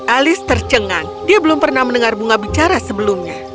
alice tercengang dia belum pernah mendengar bunga bicara sebelumnya